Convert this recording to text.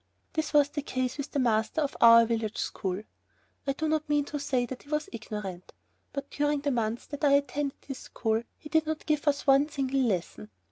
This was the case with the master of our village school. I do not mean to say that he was ignorant, but during the month that I attended his school, he did not give us one single lesson.